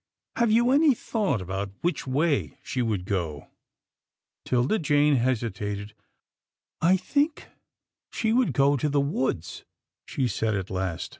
" Have you any thought about which way she would go ?" 'Tilda Jane hesitated. " I think she would go to the woods/' she said at last.